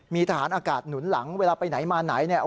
มีทหารอากาศหนุนหลังเวลาไปไหนมาไหนเนี่ย